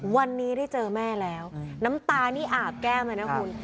วันนี้ได้เจอแม่แล้วน้ำตานี่อาบแก้มเลยนะคุณ